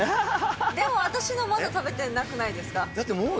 でも、私のまだ食べてなくなだって、もう。